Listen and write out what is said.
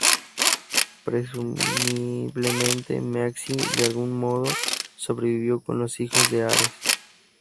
Presumiblemente, Maxie de algún modo sobrevivió con los Hijos de Ares.